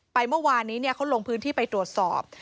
เมื่อวานนี้เขาลงพื้นที่ไปตรวจสอบ